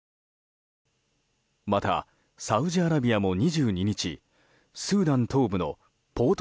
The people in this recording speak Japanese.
またサウジアラビアも２２日スーダン東部のポート